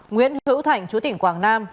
nguyễn hữu thạnh chủ tỉnh quảng nam